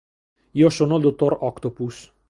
Io sono il Dottor Octopus!